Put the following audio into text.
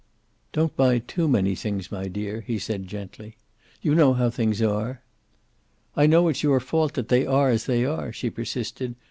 "Don't buy too many things, my dear," he said, gently. "You know how things are." "I know it's your fault that they are as they are," she persisted.